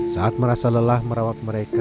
saat merasa lelah merawat mereka